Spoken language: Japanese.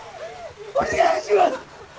お願いします！